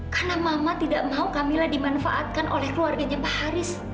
karena mama tidak mau kamila dimanfaatkan oleh keluarganya pak haris